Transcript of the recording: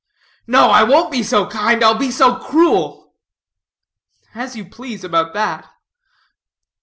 "No, I won't be so kind, I'll be so cruel." "As you please about that."